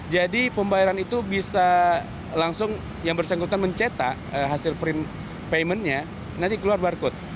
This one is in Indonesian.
jadi pembayaran itu bisa langsung yang bersengkutan mencetak hasil print paymentnya nanti keluar barcode